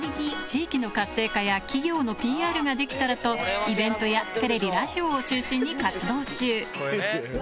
地域の活性化や企業のＰＲができたらとイベントやテレビラジオを中心に活動中